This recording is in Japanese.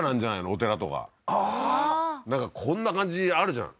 お寺とかああーなんかこんな感じあるじゃん